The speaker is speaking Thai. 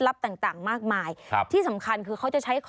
และแต่